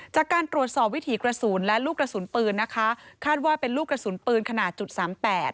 จากการตรวจสอบวิถีกระสุนและลูกกระสุนปืนนะคะคาดว่าเป็นลูกกระสุนปืนขนาดจุดสามแปด